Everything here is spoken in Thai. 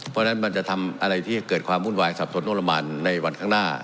เพราะฉะนั้นมันจะทำอะไรที่เกิดความวุ่นวายสับสนประมาณในวันข้างหน้า